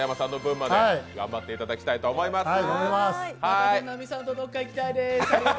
また本並さんとどこか行きたいでーす。